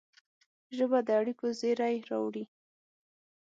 ژبه د اړیکو زېری راوړي